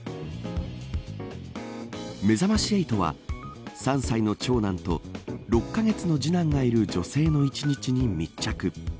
めざまし８は３歳の長男と６カ月の次男がいる女性の一日に密着。